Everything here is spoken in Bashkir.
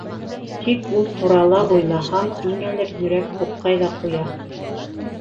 Тик, ул турала уйлаһам, ниңәлер йөрәк туҡтай ҙа ҡуя.